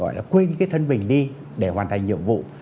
cần cái sự quên cái thân mình đi để hoàn thành nhiệm vụ